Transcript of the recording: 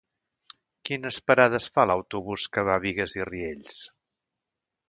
Quines parades fa l'autobús que va a Bigues i Riells?